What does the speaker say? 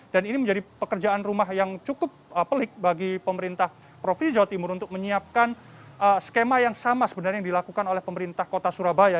dan ini menjadi pekerjaan rumah yang cukup pelik bagi pemerintah provinsi jawa timur untuk menyiapkan skema yang sama sebenarnya yang dilakukan oleh pemerintah kota surabaya